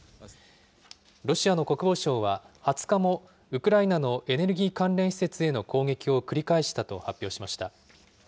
ロシアの国防省は、２０日もウクライナのエネルギー関連施設への攻撃を繰り返したと発表しました。